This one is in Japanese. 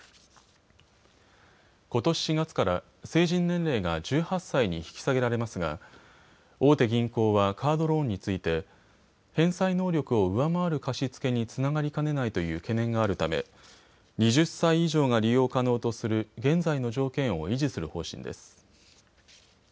ことし４月から成人年齢が１８歳に引き下げられますが大手銀行はカードローンについて返済能力を上回る貸し付けにつながりかねないという懸念があるため２０歳以上が利用可能とする現在の条件を維持する方針です。